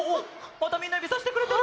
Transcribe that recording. またみんなゆびさしてくれてる！